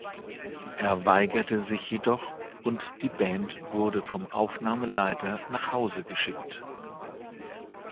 Er weigerte sich jedoch, und die Band wurde vom Aufnahmeleiter nach Hause geschickt.